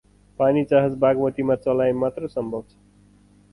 पानी जहाज बाग्मतिमा चलाए मात्र सम्भब छ ।